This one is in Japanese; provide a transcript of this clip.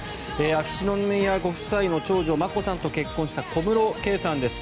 秋篠宮ご夫妻の長女眞子さんと結婚した小室圭さんです。